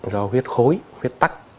do huyết khối huyết tắc